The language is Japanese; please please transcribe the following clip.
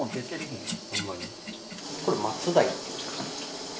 これマツダイっていう魚。